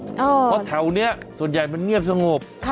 เพราะแถวนี้ส่วนใหญ่มันเงียบสงบ